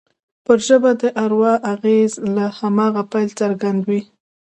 پر ژبه د اروا اغېز له هماغه پیله څرګند دی